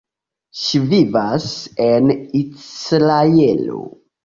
Ŝi vivas en Izraelo.